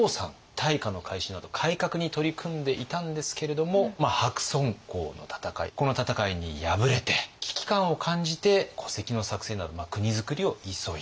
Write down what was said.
大化の改新など改革に取り組んでいたんですけれども白村江の戦いこの戦いに敗れて危機感を感じて戸籍の作成など国づくりを急いだ。